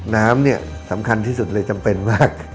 น้ำเนี่ยสำคัญที่สุดเลยจำเป็นมาก